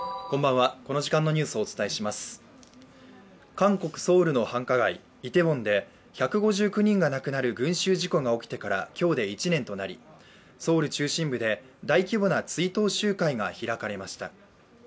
韓国・ソウルの繁華街イテウォンで１５９人が亡くなる群集事故が起きてからきょうで１年となりソウル中心部で大規模な追悼集会が開かれました